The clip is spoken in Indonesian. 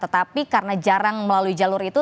tetapi karena jarang melalui jalur itu